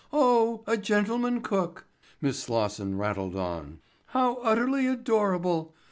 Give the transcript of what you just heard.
"Oh, a gentleman cook," Miss Slosson rattled on. "How utterly adorable.